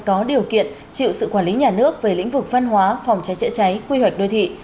có điều kiện chịu sự quản lý nhà nước về lĩnh vực văn hóa phòng cháy chữa cháy quy hoạch đô thị